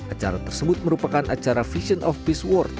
acara tersebut merupakan acara vision of peace world